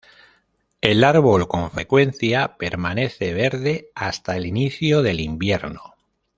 El árbol con frecuencia permanece verde hasta el inicio del invierno.